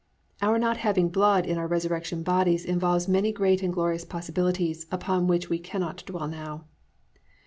Our not having "blood" in our resurrection bodies involves many great and glorious possibilities, upon which we cannot dwell now.